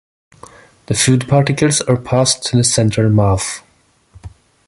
The food particles are passed to the central mouth.